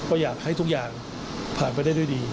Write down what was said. ก็อยากให้ทุกอย่างผ่านไปได้ด้วยดี